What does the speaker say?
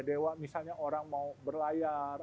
dewa misalnya orang mau berlayar